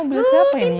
ini mobil siapa ini